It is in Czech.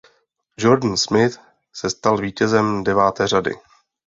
Jordan Smith se stal vítězem deváté řady.